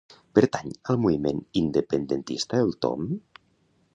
Pertany al moviment independentista el Tom?